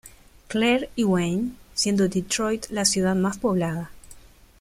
Clair y Wayne, siendo Detroit la ciudad más poblada.